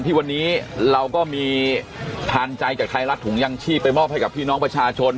ที่วันนี้เราก็มีทานใจจากไทยรัฐถุงยังชีพไปมอบให้กับพี่น้องประชาชน